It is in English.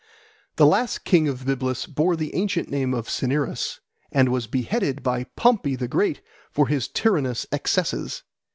The last king of Byblus bore the ancient name of Cinyras, and was beheaded by Pompey the Great for his tyrannous excesses.